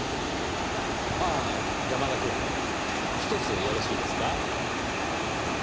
ああ山田くんひとつよろしいですか？